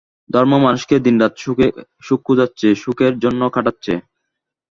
ধর্ম মানুষকে দিনরাত সুখ খোঁজাচ্ছে, সুখের জন্য খাটাচ্ছে।